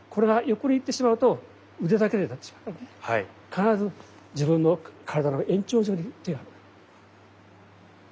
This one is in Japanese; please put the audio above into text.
必ず自分の体の延長上に手ある。